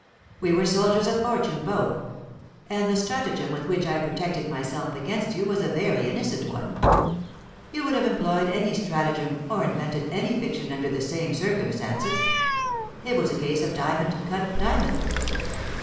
We were soldiers of fortune both; and the stratagem with which I protected myself against you was a very innocent one. You would have employed any stratagem or invented any fiction under the same circumstances. It was a case of diamond cut diamond."